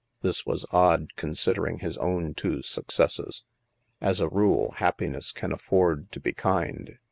This was odd, considering his own two successes. As a rule, happiness can afford to be kind.